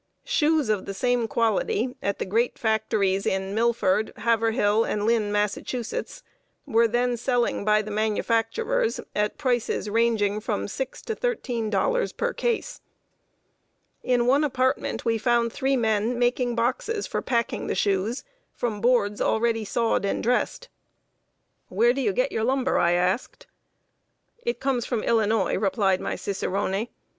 Shoes of the same quality, at the great factories in Milford, Haverhill, and Lynn, Massachusetts, were then selling by the manufacturers at prices ranging from six to thirteen dollars per case. In one apartment we found three men making boxes for packing the shoes, from boards already sawed and dressed. "Where do you get your lumber?" I asked. "It comes from Illinois," replied my cicerone.